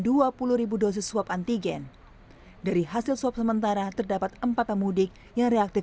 dua puluh dosis swab antigen dari hasil swab sementara terdapat empat pemudik yang reaktif